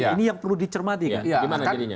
ini yang perlu dicermati kan